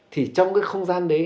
thì trong cái không gian đấy